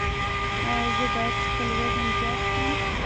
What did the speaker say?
ایا زه باید خپل وزن زیات کړم؟